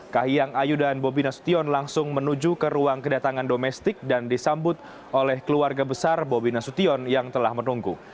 kahiyang ayu dan bobi nasution langsung menuju ke ruang kedatangan domestik dan disambut oleh keluarga besar bobi nasution yang telah menunggu